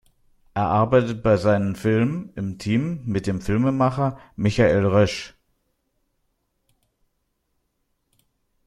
Er arbeitet bei seinen Filmen im Team mit dem Filmemacher Michael Roesch.